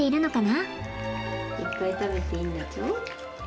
いっぱい食べていいんだぞ。